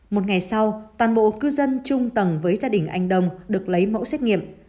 một ngày sau toàn bộ cư dân trung tầng với gia đình anh đông được lấy mẫu xét nghiệm